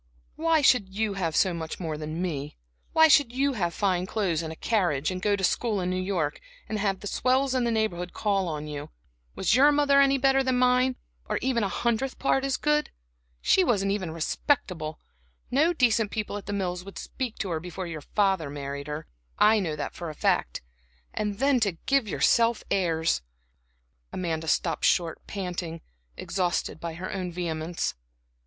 "Why should you have so much more than me? Why should you have fine clothes, and a carriage, and go to school in New York, and have the swells in the neighborhood call on you? Was your mother any better than mine, or a hundredth part as good? She wasn't even respectable; no decent people at The Mills would speak to her before your father married her I know that for a fact. And then to give yourself airs!" Amanda stopped short, panting, exhausted by her own vehemence.